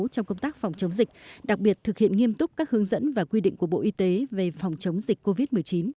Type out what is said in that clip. trong công tác phòng chống dịch đặc biệt thực hiện nghiêm túc các hướng dẫn và quy định của bộ y tế về phòng chống dịch covid một mươi chín